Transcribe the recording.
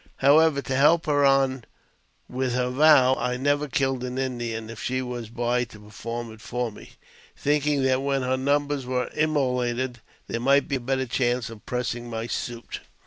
However, to help her on with her vow, I never killed an Indian if she was by to perform it for me, thinking that when her number were immolated there might be better chance of pressing my suit.